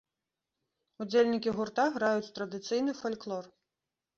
Удзельнікі гурта граюць традыцыйны фальклор.